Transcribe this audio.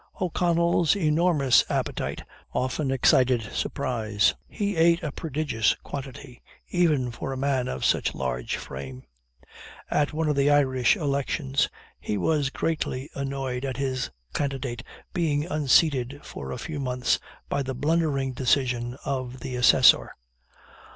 O'Connell's enormous appetite often excited surprise. He ate a prodigious quantity, even for a man of such large frame. At one of the Irish elections, he was greatly annoyed at his candidate being unseated for a few months, by the blundering decision of the assessor.